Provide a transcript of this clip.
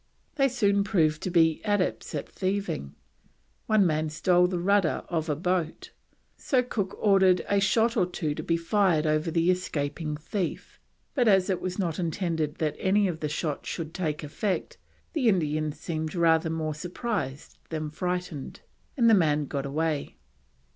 They soon proved to be adepts at thieving; one man stole the rudder of a boat, so Cook ordered a shot or two to be fired over the escaping thief, but "as it was not intended that any of the shot should take effect, the Indians seemed rather more surprised than frightened," and the man got away.